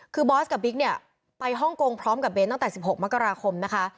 คือบอสกับบิ๊กเนี่ยไปฮ่องกงพร้อมกับเบนตั้งแต่๑๖มกราคมนะคะ